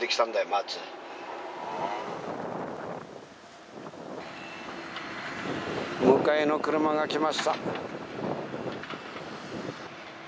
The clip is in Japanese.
町迎えの車が来ました